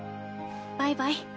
バイバイ。